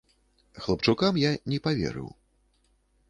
Хлапчукам я не паверыў.